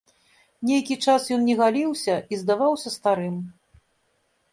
Нейкі час ён не галіўся і здаваўся старым.